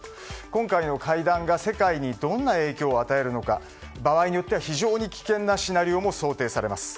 今回の会談が世界にどんな影響を与えるのか、場合によっては非常に危険なシナリオも想定されます。